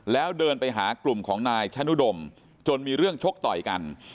แล้วเดินไปหากลุ่มของนายชะนุดมจนมีเรื่องชกต่อยกัน